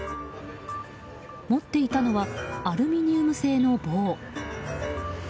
持っていたのはアルミニウム製の棒。